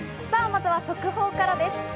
さぁまずは速報からです。